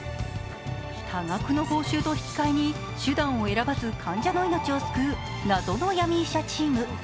多額の報酬と引き換えに手段を選ばず患者の命を救う謎の闇医者チーム。